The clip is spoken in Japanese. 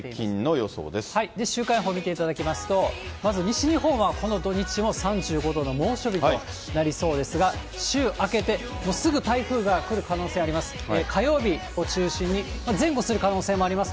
予想を見ていただきますと、まず西日本は、この土日も３５度の猛暑日となりそうですが、週明けて、すぐ台風が来る可能性あります。